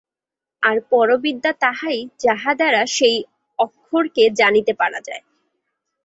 আর পরাবিদ্যা তাহাই, যাহা দ্বারা সেই অক্ষরকে জানিতে পারা যায়।